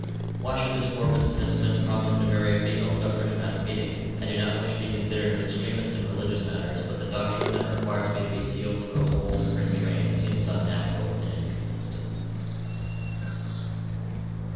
Why should this morbid sentiment prompt him to marry a Female Suffrage Mass Meeting? I do not wish to be considered an extremist in religious matters, but the doctrine that requires me to be sealed to a whole emigrant train, seems unnatural and inconsistent.